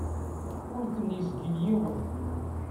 Ur ten-izgil yiwen.